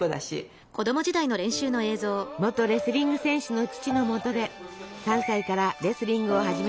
元レスリング選手の父のもとで３歳からレスリングを始めた沙保里さん。